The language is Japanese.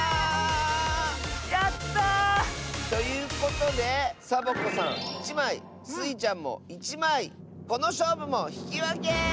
やった！ということでサボ子さん１まいスイちゃんも１まいこのしょうぶもひきわけ！